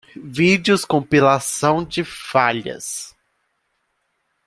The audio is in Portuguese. Vídeos compilação de falhas.